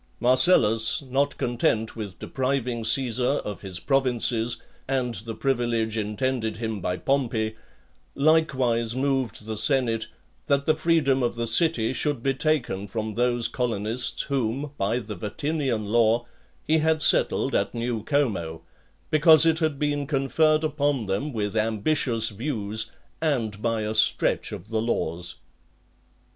Marcellus, not content with depriving Caesar of his provinces, and the privilege intended him by Pompey, likewise moved the senate, that the freedom of the city should be taken from those colonists whom, by the Vatinian law, he had settled at New Como ; because it had been conferred upon them with ambitious views, and by a stretch of the laws.